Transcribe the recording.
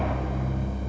kau tahu apa